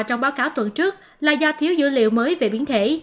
trong báo cáo tuần trước là do thiếu dữ liệu mới về biến thể